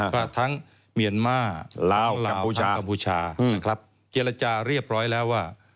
ก็ทั้งเมียนมาร์ลาวกัมพูชาเจรจาเรียบร้อยแล้วว่า